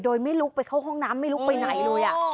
โดยไม่ลุกไปเข้าห้องน้ำไม่ลุกไปไหนเลย